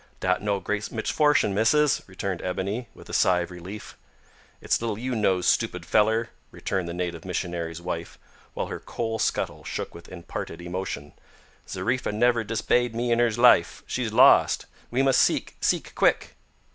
"Dat no great misfortin', missis," returned Ebony, with a sigh of relief. "It's little you knows, stoopid feller," returned the native missionary's wife, while her coal scuttle shook with imparted emotion; "Zariffa never dis'beyed me in hers life. She's lost. We must seek seek quick!"